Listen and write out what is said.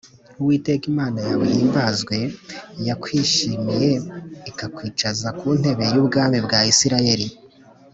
Uwiteka Imana yawe ihimbazwe yakwishimiye ikakwicaza ku ntebe y’ubwami bwa Isirayeli